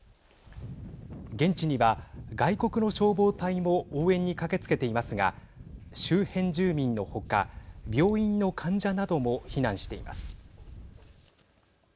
現地には外国の消防隊も応援に駆けつけていますが周辺住民のほか病院の患者なども避難しています。